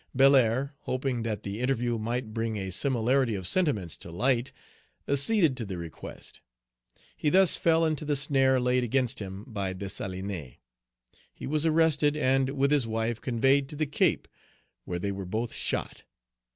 Belair, hoping that the interview might bring a similarity of sentiments to light, acceded to the request. He thus fell into the snare laid against him by Dessalines. He was arrested, and, with his wife, conveyed to the Cape, where they were both shot.